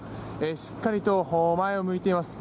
しっかりと前を向いています。